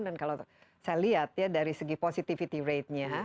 dan kalau saya lihat ya dari segi positivity ratenya